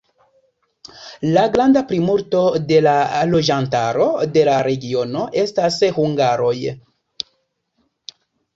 La granda plimulto de la loĝantaro de la regiono estas hungaroj.